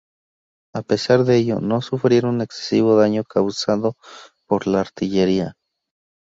A pesar de ello no sufrieron excesivo daño causado por la artillería.